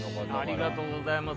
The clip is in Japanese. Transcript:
ありがとうございます。